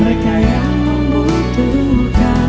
mereka yang membutuhkan